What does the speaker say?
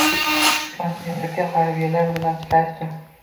Ishonchli vakil harbiylar bilan uchrashdi